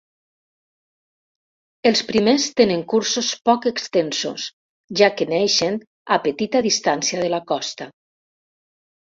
Els primers tenen cursos poc extensos, ja que neixen a petita distància de la costa.